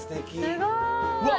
すごい。わ！